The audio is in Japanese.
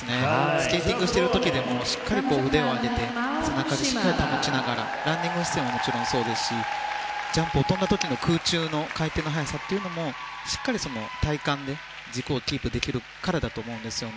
スケーティングしている時でもしっかり腕を上げて背中でしっかり保ちながらランディング姿勢ももちろんそうですしジャンプを跳んだ時の空中の回転の速さもしっかり体幹で軸をキープできるからだと思うんですよね。